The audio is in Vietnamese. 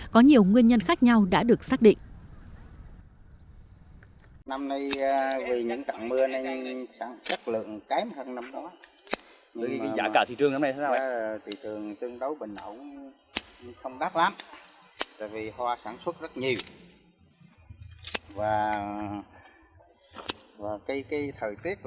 có nhiều nguyên nhân khác nhau đã được xác định